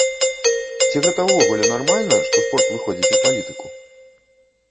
Ці гэта ўвогуле нармальна, што спорт выходзіць у палітыку?